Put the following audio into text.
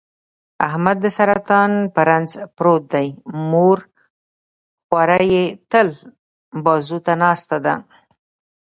احمد د سرطان په رنځ پروت دی، مور خواره یې تل بازوته ناسته ده.